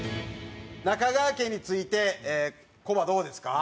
中川家についてコバどうですか？